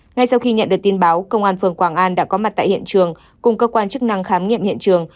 ngay sau khi nhận được tin báo công an phường quảng an đã có mặt tại hiện trường cùng cơ quan chức năng khám nghiệm hiện trường